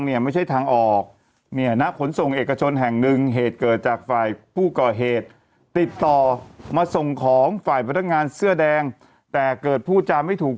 ซึ่งสาเหตุเนี่ยมาจากฝ่ายพนักงานผู้จาไม่ดีครับ